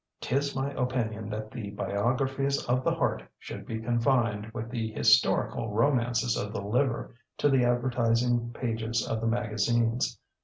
ŌĆÖTis my opinion that the biographies of the heart should be confined with the historical romances of the liver to the advertising pages of the magazines.